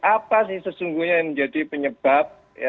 apa sih sesungguhnya yang menjadi penyebab